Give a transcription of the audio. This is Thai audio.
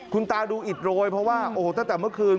คุณตาดูอิดโรยเพราะว่าโอ้โหตั้งแต่เมื่อคืน